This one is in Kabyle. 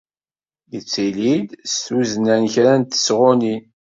Yettili-d s tuzna n kra n tesɣunin.